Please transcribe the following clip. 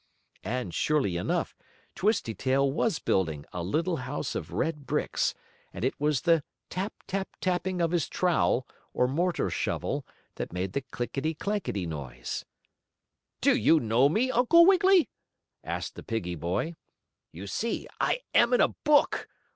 And, surely enough, Twisty Tail was building a little house of red bricks, and it was the tap tap tapping of his trowel, or mortar shovel, that made the clinkity clankity noise. "Do you know me, Uncle Wiggily?" asked the piggie boy. "You see I am in a book.